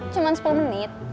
cuman sepuluh menit